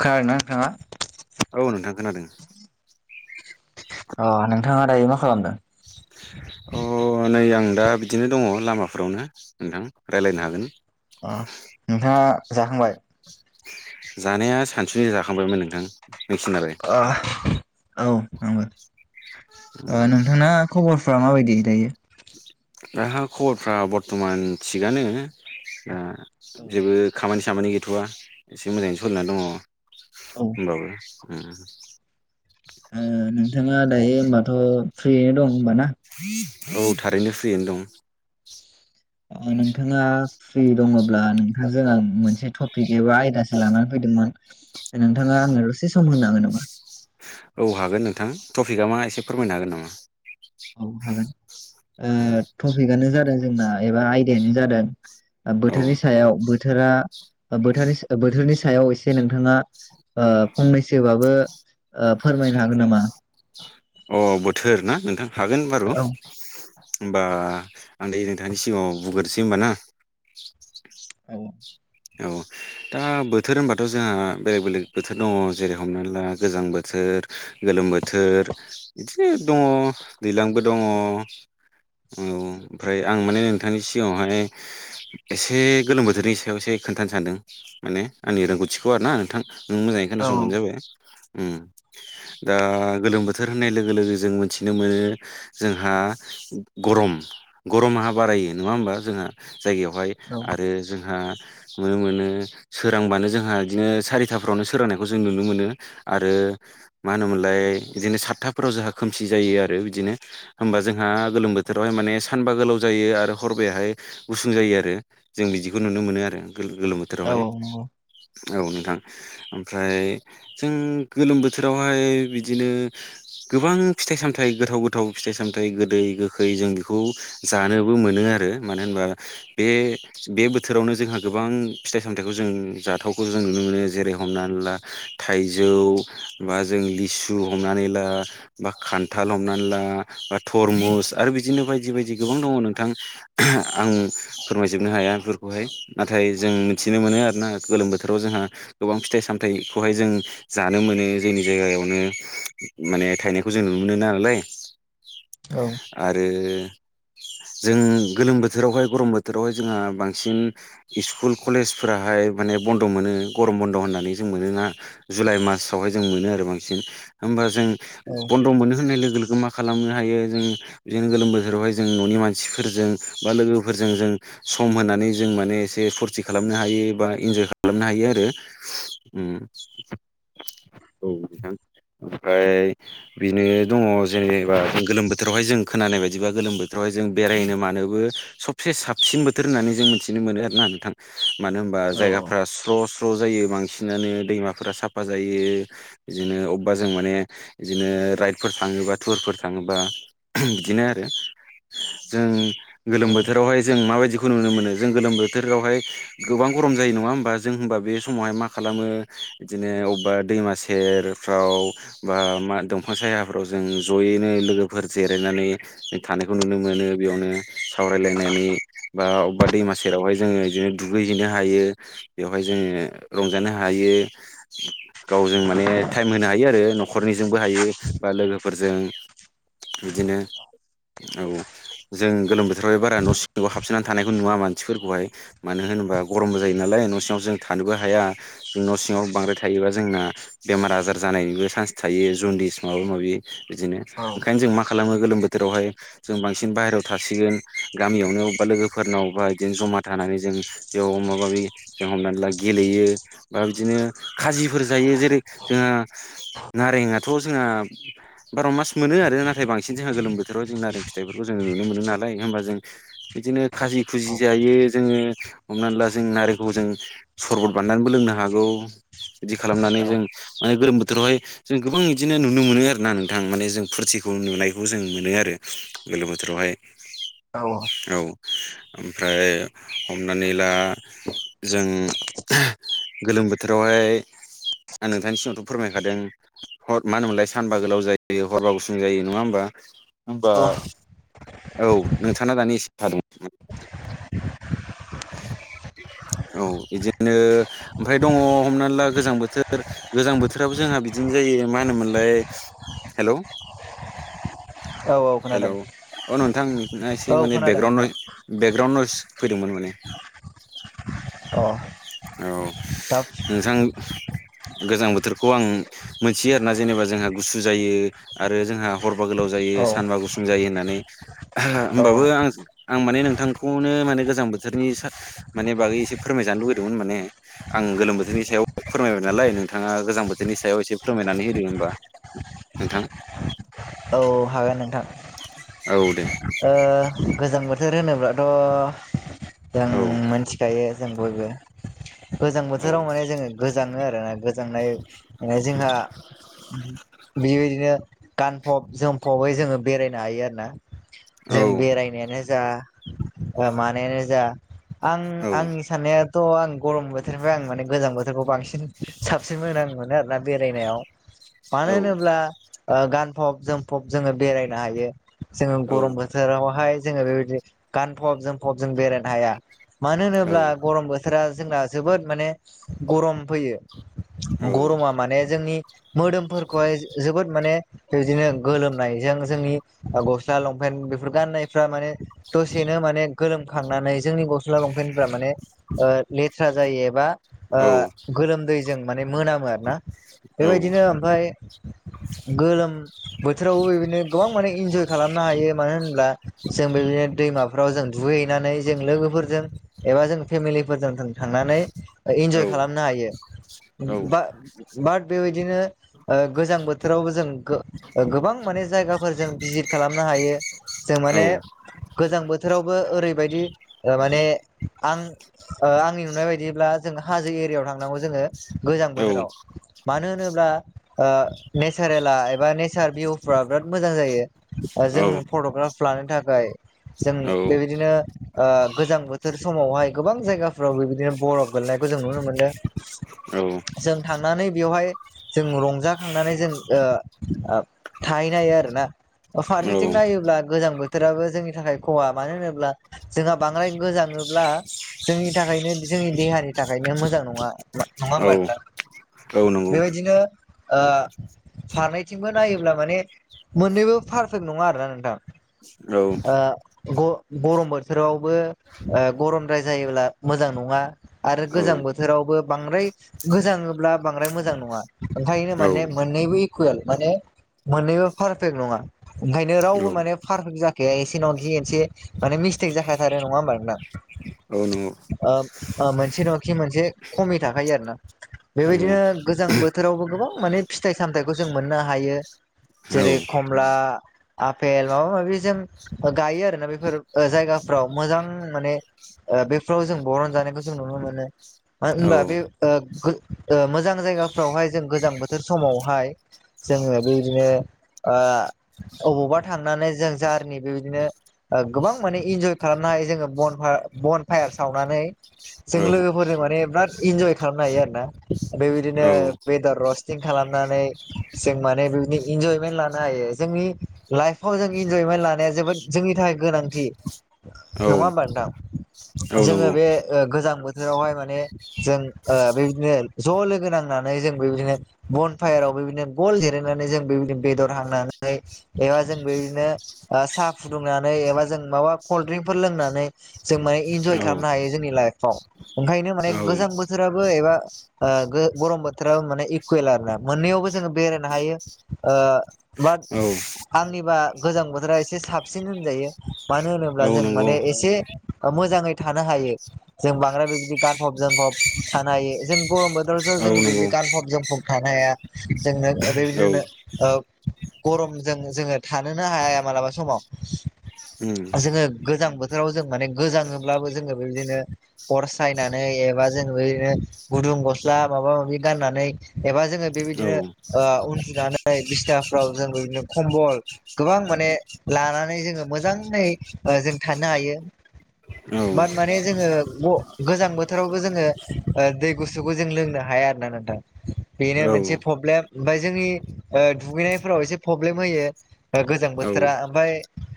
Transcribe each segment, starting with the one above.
खोनादोंना नोंथाङा औ नोंथां खोनादों। अ नोंथाङा दायो मा खालामदों? अ नै आं दा बिदिनो दङ लामाफोरावनो नोंथां रायज्लायनो हागोन। अ नोंथाङा जाखांबाय? जानाया सानसु जाखांबायमोन नोंथां। नोंसिनालाय औ आंगौ नोंथाङा खबर फ्रा माबायदियै दायो? दा खबरफ्रा बरथमान थिगानो। दा औ जेबो खामानि सामानि गैथ'वा एसे मोजाङैनो सोलिनानै दङ। ओ होमबाबो उम। ओ नोंथाङा दायो होनोमबाथ' फ्रियैनो दं होनबा ना? औ थारैनो फ्रियैनो दं। नोंथाङा फ्रि दङब्ला नोंथां जों आं मोनसे टपिक एबा आयदासो लानानै फैदोंमोन नोंथाङा आंनो दसे सम होनो हागोन नामा? औ हागोन नोंथां टफिकआ मा एसे फोरमायनो हागोन नामा? औ हागोन टपिकआनो जादों जोंना एबा आयदायानो जादों औ बोथोरनि सायाव बोथोरनि सायाव एसे नोंथाङा फंनैसोबाबो फोरमायनो हागोन नामा? अ बोथोर ना नोंथां हागोन बारु। औ होमबा आं दायो नोंथांनि सिगाङाव बुंग्रोसै होमबा ना। औ। औ। दा बोथोर होनबाथ' जोंहा बेलेग बेलेग बोथोर दङ जेरै हमनानै ला गोजां बोथोर। गोलोम बोथोर बिदिनो दङ दैज्लांबो दङ। औ ओमफ्राय आं माने नोंथांनि सिगाङावहाय एसे गोलोम बोथोरनि सायावसो खोन्थानो सानदों माने आंनि रोंगौथिखौ आरो ना नोंथां नों मोजाङै औ खोनासंबानो जाबाय। उम दा गोलोम बोथोर होननाय लोगो लोगो जों मोनथिनो मोनो जोंहा गरम गरमाआ बारायो नङा होमबा जोङो जायगायावहाय औ आरो जोंहा नुनो मोनो सोरांबानो जोंहा इदिनो सारिथाफ्रावनो सोरांनायखौ जों नुनो मोनो आरो मा होनोमोनलाय बिदिनो सातथाफोराव जोंहा खोमसि जायो आरो बिदिनो होमबा जोंहा गोलोम बोथ बोथोरावहाय माने सान बा गोलाव जायो आरो हरबायाहाय गुसुं जायो आरो जों बादिखौ नुनो मोनो आरो गो गोलोम औ बोथोरावहाय नंगौ औ नोंथां ओमफ्राय [unintelligible] गोबां फिथाइ सामथाइ गोथाव गोथाव फिथाइ सामथाइ गोदै गोखै जों बेखौ जानोबो मोनो आरो मानो होनबा बे बे बोथोरावनो जोंहा गोबां फिथाइ सामथाइखौ जों जाथावखौ जों नुनो मोनो जेरै हमनानै ला थाइजौ बा जों लिसु हमनानै ला बा खान्थाल हमनानै ला बा थरमुस आ आरो बिदिनो बायदि बायदि गोबां दङ नोंथां आं फोरमायजोबनो हाया बेफोरखौहाय। नाथाय जों मिथिनो मोनो आरोना गोलोम बोथोराव जोंहा गोबां फिथाइ सामथाइखौहाय जों जानो मोन नि जोंनि जायगायावनो माने थायनायखौ जों नुनो मोनो नालाय औ आरो जोंङो गोलोम बोथोरावहाय गरम बोथोरावहाय जोंहा बांसिनै स्कुल कलेज फोराहाय माने बन्द' मोनो गरम बन्द' होननानै जों मोनोना जुलाइ मासावहाय। ओजों मोनो आर' बांसिन होमबा जों औ बन्द मोननो जोंनि लोगोनाव खालामनो हायो जों बिदिनो गोलोम बोथोरावहाय जों न'नि मानसिफोरजों बा लोगोफोरजों जों सम होनानै जों माने एसे ए फुरति खालामनो हायो बा इन्जय खालामनो हायो आरो उम औ नोंथां ओमफ्राय बिनो दङ जेनेबा गोलोम बोथोरावहाय जों खोनानाय बायदिबा गोलोम बोथोराव जों बेरायनो मानोबो सबसे साबसिन बोथोर होननानै जों मिथिनो मोनो आरो ना नोंथां मानो होमबा औ जायगाफ्रा स्र स्र' जायो बांसिनानो दैमाफोरा साफा जायो बिदिनो अबेबा जों माने बिदिनो ओ राइडफोर थाङोबा टुरफोर थाङोबा बिदिनो आरो जों औ गोलोम बोथोरावहाय जों माबायदिखौ नुनो मोनो जों गोलोम बोथ थोरावहाय गोबां गरम जायो नङा होमबा जों होमबा बे समावहाय मा खालामो इदिनो अबेबा दै दैमा सेर फ्राव बा मा दंफां सायाफ्राव जों ज'यैनो लोगोफोर जिरायना नै थानायखौ नुनो मोनो बेयावनो सावरायलायनानै बा अबेबा दैमा सेरावहाय जोङो इदिनो दुगैहैनो हायो बेयावहाय जोङो रंजानो हायो गाव गाव जों माने टाइम होनो हायो आरो न'खरनिजोंबो हायो बा लोगोफोरजों बिदिनो औ जों गोलोम बोथोरावहाय बारा न' सिङाव हाबसिननानै थानायखौ नुवा मानसिफोरखौहाय। मानो होनोबा गरमबो जायो नालाय न' सिङाव जों थानोबो हाया न' सिङाव बांद्राय थायोबा जोंना बेमार आजार जानायनिबो चान्स थायो जन्दिस माबा माबि बिदिनो ओंखायनो जों माखा खालामो गोलोम बोथोरावहाय जों बांसिन बाहेराव थासिगोन गामियावनो अबबा लोगोफोरनाव बा इदिनो जमा थानानै जों बेयाव माबा माबि जों हमनानै ला गेलेयो बा बिदिनो खाजिफोर जायो। यो जेरै ओ नारेंआथ' जोंहा बार'मास मोनो आरो नाथाय बांसिन जे ओ गोलोम बोथोरावहाय जों नारें फिथाइफोरखौ जों नुनो मोनो नालाय होमबा जों बिदिनो खाजि खुजि जायो जोङो हमनानै ला जों नारेंखौ जों सरबत बान्नानैबो लोंनो हागौ। बिदि खालामनानै जों माने गोलोम बोथोरावहाय जों गोबां इदिनो नुनो मोनो आरोना नोंथां माने जों फुरथि भुं नुनायखौ जों मोनो आरो गोलोम बोथोरावहाय औ आ औ ओमफ्राय हमनानै ला जों गोलोम बोथोरावहाय आं नोंथांनि सिङावथ' फोरमायखादों। हर मा होनोमोनलाय सानबा गोलाव जायो हरबा गुसुं जायो नङा होमबा? होनबा औ औ नोंथां दानि एसे मोन औ बिदिनो ओमफ्राय दङ हमना ला गोजां बोथोर गोजां बोथोराबो जोंहा बिदिनो जायो मा होनोमोनलाय हेल' औ खोनादों हेलौ अ नोंथां एसे औ माने खोनादों नोंथां बेकग्राउणड बेकग्राउणड फैदोंमोन माने अह औ नोंथां गोजां बोथोरखौ आं मोनथियो आरोना जेनेबा जोंहा गुसु जायो आरो जोंहा हर बा गोलाव जायो औ सानबा गुसुं जायो होनना नै औ होनबाबो आं माने नोंथांखौनो माने गोजां बोथोरनि माने बागै एसे फोरमायजानो लुबै दोंमोन माने आं गोलोम बोथोरनि सायाव फोरमायबाय नालाय नोंथाङा गोजां बोथोरनि सायाव एसे फोरमायनानै होदों होनबा नोंथां औ हागोन नोंथां औ दे ओ गोजां बोथोर होनोब्लाथ' जों मोनथिखायो जों बयबो गोजां बोथोराव माने जोङो गोजाङो आरो ना गोजांनाय माने जोंहा बेबायदिनो गानफब जोमफबै जोङो बेरायनो हायो आरो ना जों बेरायनायानो जा मानानो जा आं आंनि साननाया थ' आं गरम बोथोरनिफ्राय आं माने गोजां बोथोरखौ बांसिन साबसिन मोजां मोनो आरोना। बेरायनायाव मानो होनोब्ला ओ गानफब जोमफब जोङो बेरायनो हायो। जोङो गरम बोथोरावहाय जोङो बेबायदि गानफब जोमफब जों बेरायनो हाया। मानो होनोब्ला गरम बोथोरा जोंना जोबोद माने गरम फैयो। गरमा माने जोंनि मोदोमफोरखौहाय जोबोद माने बिदिनो गोलोमनायजों जोंनि ओ गस्ला लंफेन बेफोर गाननायफ्रा माने दसेनो माने गोलोमखांनानै जोंनि गस्ला लंफेनफ्रा माने ओ लेथ्रा जायो एबा ओ गोलोमदै जों माने मोनामो आरोना बेबायदिनो ओमफाय गोलोम बोथोरावबो बेदिनो गोबां माने इन्जय खालामनो हायो मानो होनब्ला जों बेबायदिनो‌ दैमाफ्राव जों दुहैहैनानै जों लोगोफोरजों एबा जों फेमिलिफोरजों जों थांनानै इन्जय खालामनो हायो बा बाट बेबायदिनो ओ गोजां बोथोरावबो जों गो-गोबां माने जायगाफोर जों भिजित खालामनो हायो। जों माने गोजां बोथोरावबो ओरैबायदि थारमाने आं ओ आंनि नुनाय बायदिब्ला जों हाजो एरियायाव थांनांगौ जोङो गोजां बोथोराव मानो होनोब्ला ओ नेचारेला एबा नेचार भिउफ्रा बिराद मोजां जायो जों फट'ग्राफ लानो थाखाय जों बेबायदिनो ओ गोजां बोथोर समावहाय गोबां जायगाफ्रावबोबायदिनो बरफ गोलनायखौ जों नुनो मोनो। जों थांनानै बेवहाय जों रंजा थांनानै जों ओ ओ थाहैनो हायो आरोना फारसेथिं नायोब्ला गोजां बोथोर बोथोराबो जोंनि थाखाय खहा मानो होनोब्ला जोंहा बांद्राय गोजाङोब्ला जोंनि थाखायनो जोंनि देहानि थाखायनो मोजां नङा नङा होमबा नोंथां औ औ बेबायदिनो ओ फारनैथिंबो नायोब्ला माने मोननैबो पारफेक्ट नङा आरोना नोंथां ओ गरम बोथोर बोथोरावबो गरमद्राय जायोब्ला मोजां नङा आरो गोजां बोथोरावबो बांद्राय गोजाङोब्ला बांद्राय मोजां नङा ओंखायनो माने मोननैबो इकुवेल माने मोननैबो पारफेक्ट नङा ओंखायनो रावबो माने पारफेक्ट जाखाया एसे नङा एसे माने मि थिग जाखाथारो नङा होमब नोंदां ओ ओ मोनसे नङखि मोनसे खमि थाखायो आरो ना बेबायदिनो गोजां बोथोरावबो गोबां माने फिथाइ सामथायाइखौ जों मोननो हायो जेरै खमला आफेल माबा माबि जों गायो आरोोना बेफोर जायगाफ्राव मोजां माने ओ बेफ्राव जों बरनजानायखौ जों नुनो मोनो मानो होनबा बे मोजां जायगाफ्रावहाय जों गोजां बोथोर समावहाय जोङो बेबायदिनो ओ अबावबा थांनानै जों जारनि बेबायदिनो गोबां माने इन्जय खालामनो हायो जोङो बन बन फायार सावनानै जों लोगोफोरजों माने बिराद इन्जय खालामनो हायो आरोना बेबायदिनो वेदार रस्टिं खालामनानै जों म माने बे इन्जयमेन्ट लानो हायो जोंनि लाइफाव जों इन्जयमेन्ट लानाया जोबोद जोंनि थाखाय गोनांथि नङा होनबा नोंथां जोङो बे गोजां ओ बोथोरावहाय माने जों बेदिनो ज' लोगो नांनानै [unintelligible] जों बे बादिनो बन फायाराव गल जिरायनानै बेदर हांनानै बेवहाय जों बे बादिनो साहा फुदुंनानै एबा जों माबा कलद्रिंफोर लोंनानै जों बेहाय इनजय खालामनो हायो जोंनि लाइफाव ओंखायनो माने गोजाम दैजां बोथोराबो एबा ओ गरम बोथोराबो माने इकुवेल आर ना मोननैयावबो जोङो बेरायनो हायो ओ बाद आंनिबा गोजां बोथोरा एसे साबसिन होनजायो मानो होनोब्ला जों नंगौ माने एसे मोजाङै थानो हायो जों बांद्राय बेबायदि गानफब जोमफब ब थानो हायो जों गरम बोथोरावसो औ नंगौ औ नंगौ औ नंगौ औ नंगौ औ उम जों गानफब जोमफब थानो हाया जोंनो बे बादिनो ओ गरमजों जोङो थानोनो हाया मालाबा समाव जोङो गोजां बोथोराव जों माने गोजाङोब्लाबो जोङो बेबायदिनो अर सायनानै एबा जनो गुदुं गस्ला माबा माबि गाननानै एबा जोङो बेबायदिनो उ [unintelligible] फुनानै बिसथाफ्राव जों बिदिनो खम्बल गोबां माने लानानै जोङो मोजां जों थानो हायो औ बाद माने जोङो गोजां बोथोरावबो जोङो दै गुसुखौ जों लोंनो हाया ना नोंथां बेनो मोनसे प्रब्लेम ओमफ्राय जोंनि दुगैनायफोराव एसे प्रब्लेम होयो गोजां बोथोरा ओमफ्राय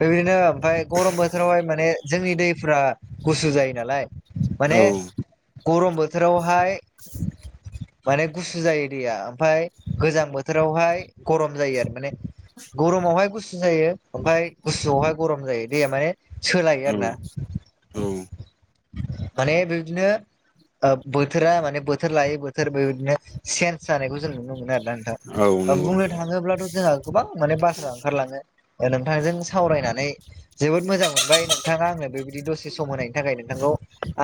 बेबायदिनो ओमफफ्राय गरम बोथोरावहाय माने जोंनि दैफोरा गुसु जायो नालाय माने गरम बोथोरावहाय माने गुसु जायो दैया ओमफफ्राय गोजां बोथोरावहाय गरम जायो आरो माने गरमावहाय गुसु जायो ओमफफ्राय गुसु आवहाय गरम जायो दैे माने सोलायो औ आरो ना औ माने बिदिनो बोथोरा माने बोथोर लायै बोथोर बेबायदिनो सेन्स जानायखौ जों नुनो मोनो आरोना नोंथां औ नंगौ बुंनो थाङोब्लाथ' जोंहा गोबां माने बाथ्रा ओंखारलाङो नोंथांजों सावरायनानै जोबोद मोजां मोनबाय नोंथाङा आङो बेबायदि दसे सम होनायनि थाखाय नोंथांखौ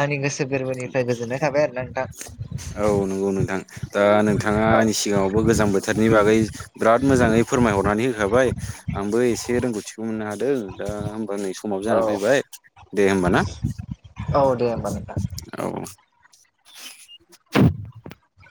आंनि गोसो गोरबोनिफ्राय गोजोननाय थाबाय आरो ना नोंथां औ नंगौ नोंथां दा नोंथाङा औ आंनि सिगाङावबो गोजां बोथोरनि बागै बिराद मोजाङै फोरमायहरनानै होखाबाय आं बो एसे रोंगौथिखौ मोननो हादों दा होमबा नै समाबो जानानै औ फैबाय दे होमबा ना औ दे होमबा नोंथां। औ। [inaudible]